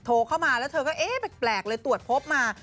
โทรเข้ามาแล้วเธอก็เอ๊ะแปลกเลยตรวจพบมา